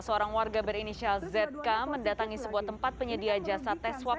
seorang warga berinisial zk mendatangi sebuah tempat penyedia jasa tes swab